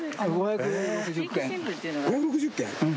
５６０軒？